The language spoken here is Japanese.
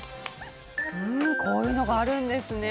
こういうのがあるんですね。